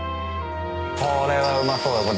これはうまそうだ